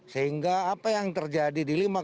sehingga apa yang terjadi di lima